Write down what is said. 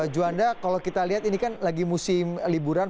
juanda kalau kita lihat ini kan lagi musim liburan